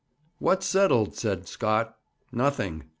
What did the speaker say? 'What's settled?' said Scott. 'Nothing.'